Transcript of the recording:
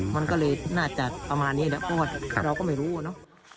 มันก็เลยน่าจะประมาณนี้แหละเพราะว่าเราก็ไม่รู้อะเนาะ